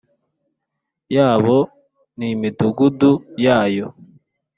Yabo n imidugudu yayo